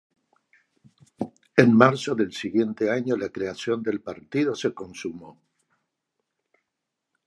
En marzo del siguiente año, la creación del partido se consumó.